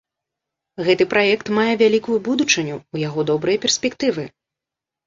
Гэты праект мае вялікую будучыню, у яго добрыя перспектывы.